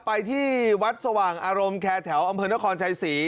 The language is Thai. ไปที่วัดสว่างอารมณ์แคร์แถวอำเภอนครชัยศรี